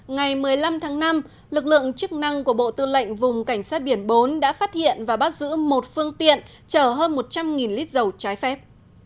ngày một mươi năm tháng năm lực lượng chức năng của bộ tư lệnh vùng cảnh sát biển bốn đã phát hiện và bắt giữ một phương tiện chở hơn một trăm linh lít dầu trái phép